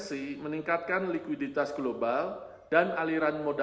pemulihan ekonomi global diperkirakan lebih rendah dari proyeksi semula